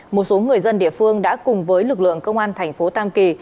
một số người dân địa phương đã cùng với lực lượng công an thành phố tam kỳ